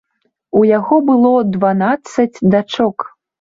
У яго было дванаццаць дачок.